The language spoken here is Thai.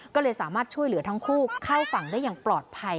ก็เลยสามารถช่วยเหลือทั้งคู่เข้าฝั่งได้อย่างปลอดภัย